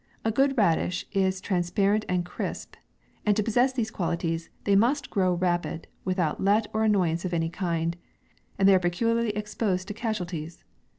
A good radish is transparent and crisp ; and to possess these qualities, they must grow rapid, without let or annoyance of any kind; and they are peculiarly exposed to casualties.